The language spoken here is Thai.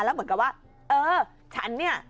แล้วเหมือนกับว่าเออฉันเนี่ย